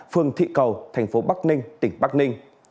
phường thị cầu thành phố bắc ninh tỉnh bắc ninh